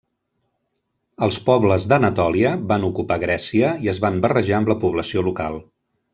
Els pobles d'Anatòlia van ocupar Grècia i es van barrejar amb la població local.